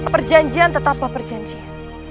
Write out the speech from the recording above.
perjanjian tetaplah perjanjian